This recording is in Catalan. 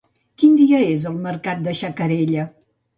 Quin dia és el mercat de Xacarella?